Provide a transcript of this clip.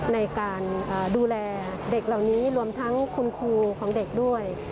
ในการดูแลเด็กเหล่านี้รวมทั้งคุณครูของเด็กด้วย